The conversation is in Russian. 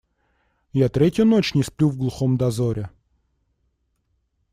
Я третью ночь не сплю в глухом дозоре.